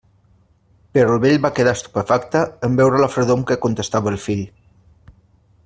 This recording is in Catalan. Però el vell va quedar estupefacte en veure la fredor amb què contestava el fill.